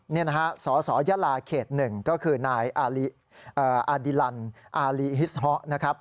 นี่นะฮะสอสอยลาเขตหนึ่งก็คือนายอาดิลันดิ์อารีฮิศฮะนะครับ